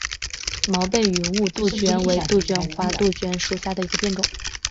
毛背云雾杜鹃为杜鹃花科杜鹃属下的一个变种。